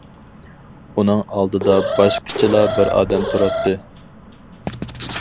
ئۇنىڭ ئالدىدا باشقىچىلا بىر ئادەم تۇراتتى.